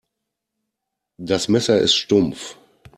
Das Messer ist stumpf.